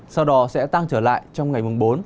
sau đó sẽ tăng trở lại trong ngày mùng bốn